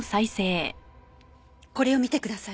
これを見てください。